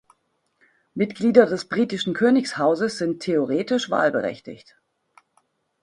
Mitglieder des britischen Königshauses sind theoretisch wahlberechtigt.